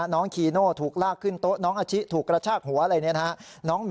น้องคีโน่ถูกลากขึ้นโต๊ะน้องอาชิถูกกระชากหัวอะไรอย่างนี้